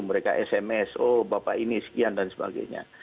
mereka sms oh bapak ini sekian dan sebagainya